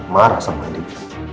marah sama andin